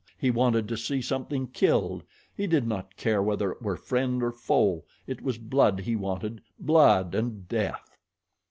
He wanted to see something killed. He did not care whether it were friend or foe. It was blood he wanted blood and death.